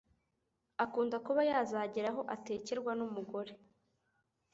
akunda kuba yazagera aho atekerwa n'umugore